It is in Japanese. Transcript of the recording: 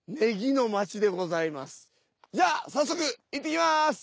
じゃあ早速いってきます。